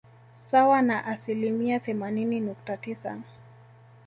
Sawa na asilimia themanini nukta tisa